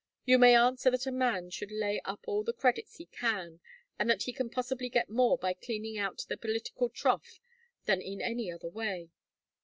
You may answer that a man should lay up all the credits he can, and that he can possibly get more by cleaning out the political trough than in any other way.